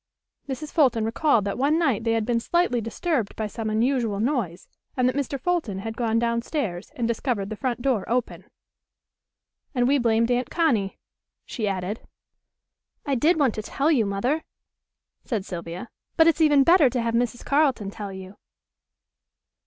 Mrs. Fulton recalled that one night they had been slightly disturbed by some unusual noise and that Mr. Fulton had gone down stairs and discovered the front door open. "And we blamed Aunt Connie," she added. "I did want to tell you, Mother," said Sylvia, "but it's even better to have Mrs. Carleton tell you."